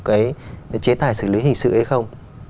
cái chế tài xử lý hình sự ấy không